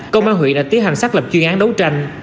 công an huyện đã tiến hành xác lập chuyên án đấu tranh